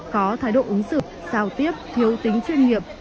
có thái độ ứng xử giao tiếp thiếu tính chuyên nghiệp